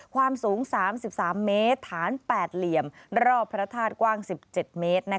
ความสูง๓๓เมตรฐาน๘เหลี่ยมรอบพระธาตุกว้าง๑๗เมตร